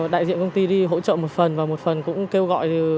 đại diện công ty đi hỗ trợ một phần và một phần cũng kêu gọi